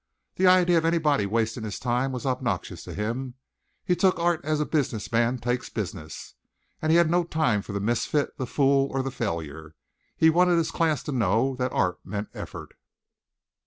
The idea of anybody wasting his time was obnoxious to him. He took art as a business man takes business, and he had no time for the misfit, the fool, or the failure. He wanted his class to know that art meant effort.